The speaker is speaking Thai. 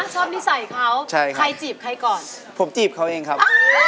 ชอบนิสัยเขาใช่ใครจีบใครก่อนผมจีบเขาเองครับ